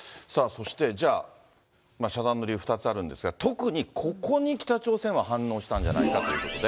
そして、じゃあ、遮断の理由２つあるんですが、特にここに北朝鮮は反応したんじゃないかということで。